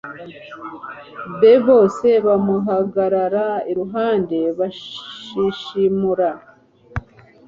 be bose bamuhagarara iruhande bashishimura